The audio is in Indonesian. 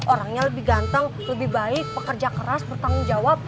orangnya lebih ganteng lebih baik pekerja keras bertanggung jawab